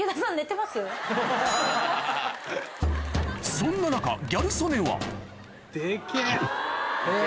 そんな中ギャル曽根はデケェ。